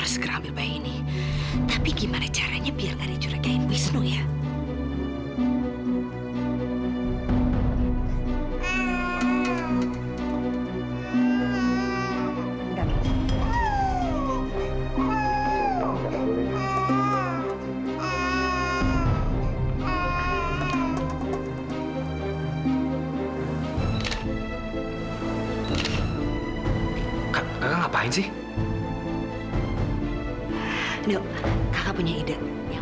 sampai jumpa di video selanjutnya